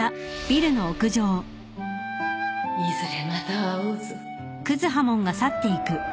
いずれまた会おうぞ。